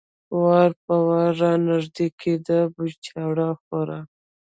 وار په وار را نږدې کېده، بېچاره خورا.